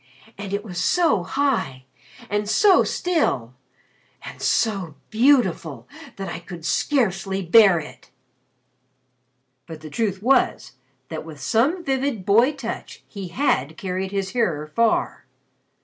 And it was so high and so still and so beautiful that I could scarcely bear it." But the truth was, that with some vivid boy touch he had carried his hearer far.